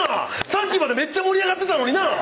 さっきまでめっちゃ盛り上がってたのになぁ